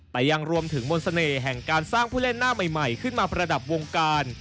แต่ยังรวมถึงมนต์เสน่ห์แห่งการสร้างผู้เล่นหน้าใหม่ขึ้นมาประดับวงการ